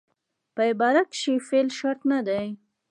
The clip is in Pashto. په عبارت کښي فعل شرط نه دئ.